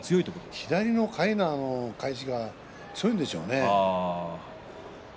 左のかいなの返しが強いんでしょうね。